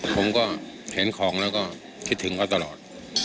ผมก็เห็นของแล้วก็คิดถึงเขาตลอด